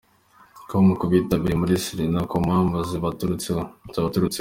com ko bitakibereye muri Serena ku mpamvu zitabaturutseho.